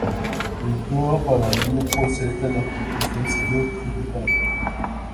Editó para el Grupo Zeta la publicación "Salud solo para ti".